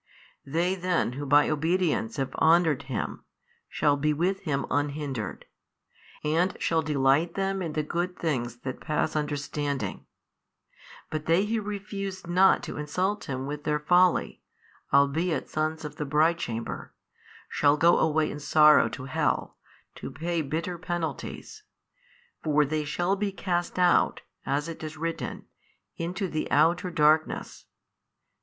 They then who by obedience have honoured Him, shall be with Him unhindered, and shall delight them in the good things that pass understanding: but they who refuse not to insult Him with their folly, albeit sons of the bridechamber 4, shall go away in sorrow to hell, to pay bitter penalties. For they shall be cast out, as it is written, into the outer darkness.